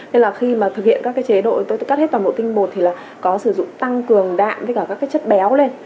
nên là khi mà thực hiện các cái chế độ tôi cắt hết toàn bộ tinh bột thì là có sử dụng tăng cường đạm với cả các cái chất béo lên